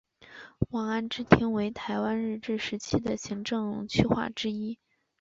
望安支厅为台湾日治时期的行政区划之一。